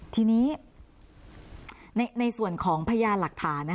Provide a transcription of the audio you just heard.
ทีนี้ในส่วนของพยานหลักฐาน